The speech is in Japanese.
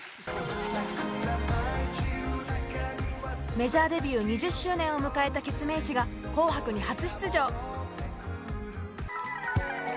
メジャーデビュー２０周年を迎えたケツメイシが紅白に初出場！